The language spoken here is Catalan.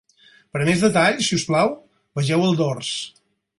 Per a més detalls, si us plau, vegeu el dors.